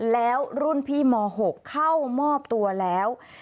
แล้วรุ่นพี่ม๖เข้ามอบตัวแล้ว